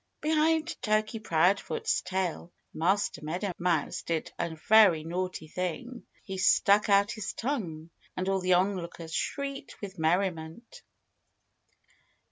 Behind Turkey Proudfoot's tail Master Meadow Mouse did a very naughty thing. He stuck out his tongue. And all the onlookers shrieked with merriment.